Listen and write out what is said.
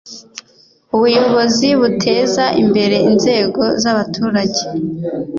ubuyobozi buteza imbere inzego z’ abaturage.